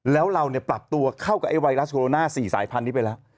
แล้วเราปรับตัวเข้ากับไอไวรัสโรนา๔สายพันธุ์นี้ไปแล้ว